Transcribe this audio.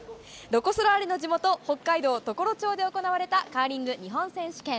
ロコ・ソラーレの地元、北海道常呂町で行われたカーリング日本選手権。